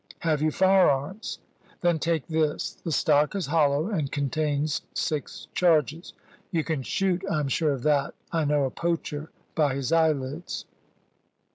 Have you firearms? Then take this. The stock is hollow, and contains six charges. You can shoot; I am sure of that. I know a poacher by his eyelids."